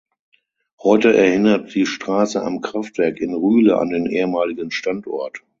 Heute erinnert die Straße „Am Kraftwerk“ in Rühle an den ehemaligen Standort.